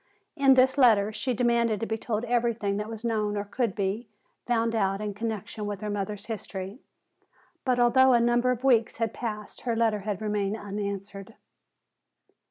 In this letter she demanded to be told everything that was known or could be found out in connection with her mother's history. But although a number of weeks had passed her letter had remained unanswered.